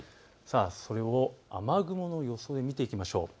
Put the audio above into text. それを雨雲の予想で見ていきましょう。